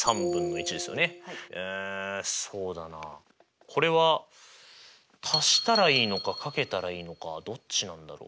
うんそうだなこれはたしたらいいのかかけたらいいのかどっちなんだろう？